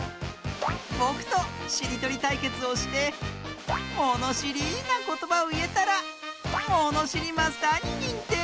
ぼくとしりとりたいけつをしてものしりなことばをいえたらものしりマスターににんてい！